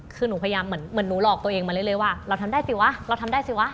คือหนูพยายามเหมือนหนูหลอกตัวเองมาเรื่อยว่าเราทำได้สิวะเราทำได้สิวะ